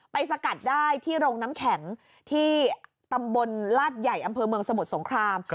สกัดได้ที่โรงน้ำแข็งที่ตำบลลาดใหญ่อำเภอเมืองสมุทรสงคราม